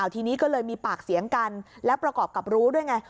ทีนี้ก็เลยมีปากเสียงกันแล้วประกอบกับรู้ด้วยไง